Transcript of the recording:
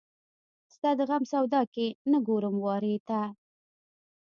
ستا د غم سودا کې نه ګورم وارې ته